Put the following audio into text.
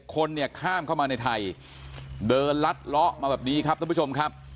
คนเนี่ยข้ามเข้ามาในไทยเดินลัดเลาะมาแบบนี้ครับท่านผู้ชมครับ